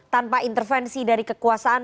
tanpa intervensi dari kekuasaan